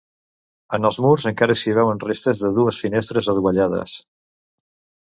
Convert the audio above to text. En els murs encara s'hi veuen restes de dues finestres adovellades.